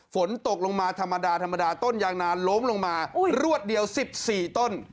ฝนตกลงมาธรรมดาธรรมดาต้นยางนานล้มลงมารวดเดียว๑๔ต้น